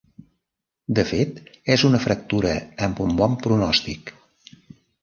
De fet és una fractura amb un bon pronòstic.